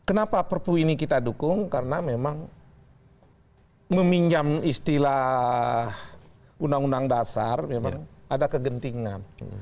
kenapa perpu ini kita dukung karena memang meminjam istilah undang undang dasar memang ada kegentingan